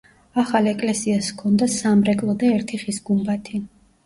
ახალ ეკლესიას ჰქონდა სამრეკლო და ერთი ხის გუმბათი.